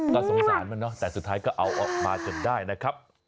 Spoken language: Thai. ก็สงสารมันเนาะแต่สุดท้ายก็เอาออกมาจนได้นะครับ